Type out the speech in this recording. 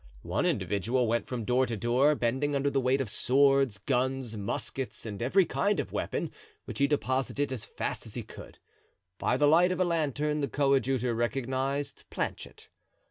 One individual went from door to door, bending under the weight of swords, guns, muskets and every kind of weapon, which he deposited as fast as he could. By the light of a lantern the coadjutor recognized Planchet.